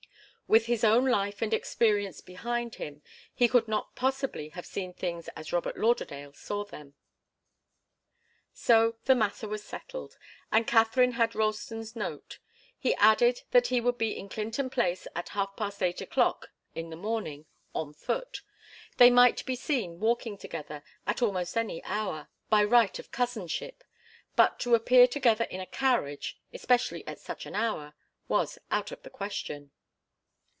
With his own life and experience behind him, he could not possibly have seen things as Robert Lauderdale saw them. So the matter was settled, and Katharine had Ralston's note. He added that he would be in Clinton Place at half past eight o'clock in the morning, on foot. They might be seen walking together at almost any hour, by right of cousinship, but to appear together in a carriage, especially at such an hour, was out of the question.